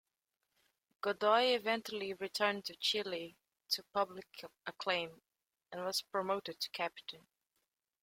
Godoy eventually returned to Chile to public acclaim, and was promoted to captain.